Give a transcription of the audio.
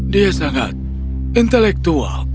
dia sangat intelektual